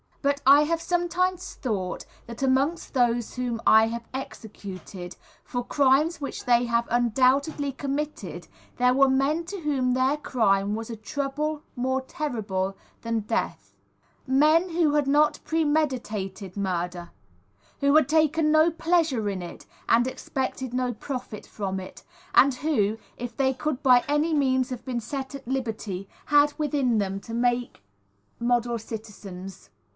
But I have sometimes thought that amongst those whom I have executed, for crimes which they have undoubtedly committed, there were men to whom their crime was a trouble more terrible than death; men who had not premeditated murder, who had taken no pleasure in it and expected no profit from it, and who, if they could by any means have been set at liberty, had within them the making of model citizens.